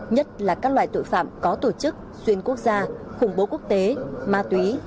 nhất là các loại tội phạm có tổ chức xuyên quốc gia khủng bố quốc tế ma túy